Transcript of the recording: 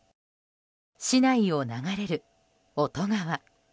市内を流れる乙川。